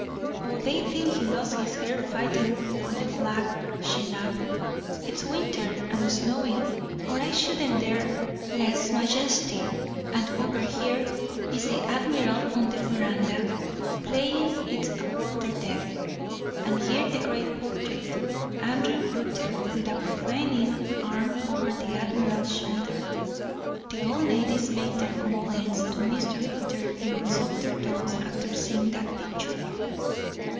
"Oh, they think he lost his hair fighting for the flag," she laughed. "It's winter, and snowing, or I shouldn't dare lèse majesté. And over here is the admiral on the veranda, playing it's a quarter deck. And here the great portrait Andrew Rutter with a profaning arm over the admiral's shoulder. The old ladies make their complaints to Mr. Rutter in softer tones after seeing that picture."